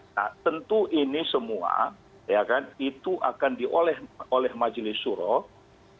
nah tentu ini semua ya kan itu akan diolah oleh majelis suroh